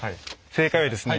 正解はですね